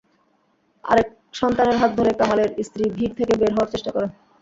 আরেক সন্তানের হাত ধরে কামালের স্ত্রী ভিড় থেকে বের হওয়ার চেষ্টা করেন।